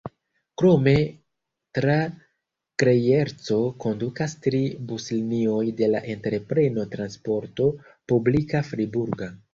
Krome tra Grejerco kondukas tri buslinioj de la entrepreno Transporto Publika Friburga.